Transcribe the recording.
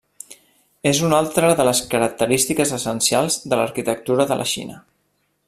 És una altra de les característiques essencials de l'arquitectura de la Xina.